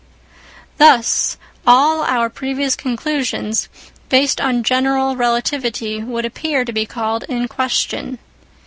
Thus all our previous conclusions based on general relativity would appear to be called in question.